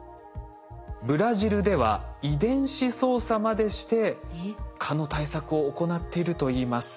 ブラジルでは遺伝子操作までして蚊の対策を行っているといいます。